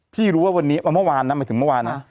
พี่รู้ว่าวันนี้วันเมื่อวานนะ